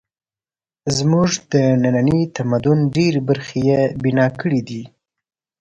زموږ د ننني تمدن ډېرې برخې یې بنا کړې دي.